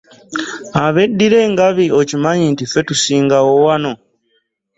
Abeddira engabi okimanyi nti ffe tusingawo wano?